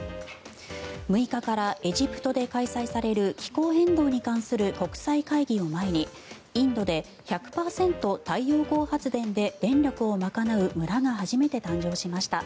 ６日からエジプトで開催される気候変動に関する国際会議を前にインドで１００％太陽光発電で電力を賄う村が初めて誕生しました。